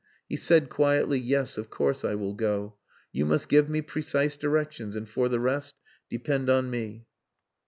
He said quietly "Yes, of course, I will go. 'You must give me precise directions, and for the rest depend on me."